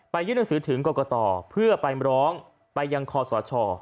ยื่นหนังสือถึงกรกตเพื่อไปร้องไปยังคอสช